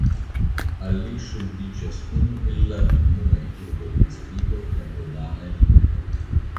Al li ŝuldiĝas unu el la unuaj urbopriskriboj en rumana lingvo.